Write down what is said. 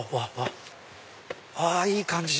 あいい感じ！